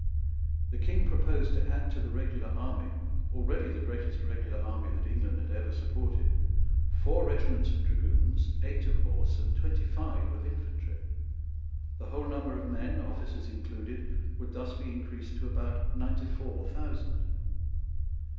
The King proposed to add to the regular army, already the greatest regular army that England had ever supported, four regiments of dragoons, eight of horse, and twenty five of infantry. The whole number of men, officers included, would thus be increased to about ninety four thousand.